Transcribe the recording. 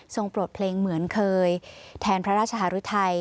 โปรดเพลงเหมือนเคยแทนพระราชหารุทัย